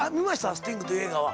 「スティング」という映画は。